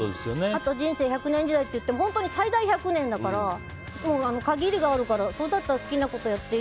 あと人生１００年時代といっても最大１００年だから限りがあるからそれだったら好きなことをやって